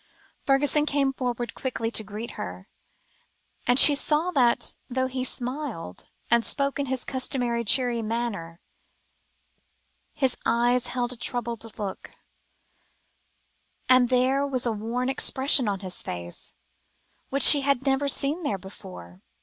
Fergusson came forward quickly to greet her, and she saw that, though he smiled, and spoke in his customary, cheery manner, his eyes held a troubled look, and there was a worn expression on his face, which she had never seen there before.